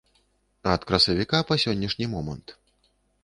Ад красавіка па сённяшні момант.